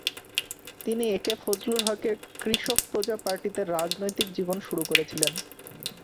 তিনি A K Fazlul হকের কৃষক প্রজা পার্টিতে রাজনৈতিক জীবন শুরু করেছিলেন।